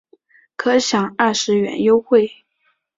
可享二十元优惠